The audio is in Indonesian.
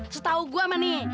setau gue mah nih